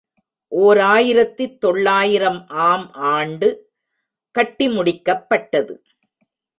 ஓர் ஆயிரத்து தொள்ளாயிரம் ஆம் ஆண்டு கட்டி முடிக்கப்பட்டது.